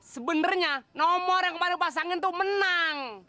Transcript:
sebenernya nomor yang kemarin pasangin tuh menang